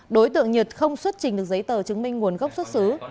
đối tượng nhật không xuất trình được giấy tờ chứng minh nguồn gốc xuất xứ